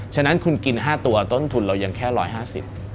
ฉะนั้นคุณกิน๕ตัวต้นทุนเรายังแค่๑๕๐บาท